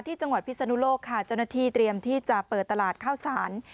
ที่จังหวัดพิศนุโลกค่ะเจ้าหน้าที่เตรียมที่จะเปิดตลาดข้าวสาร